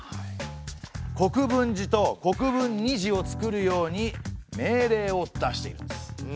国分寺と国分尼寺を造るように命令を出しているんです。